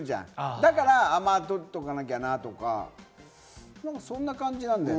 だから、とっとかなきゃなとか、そんな感じだよね。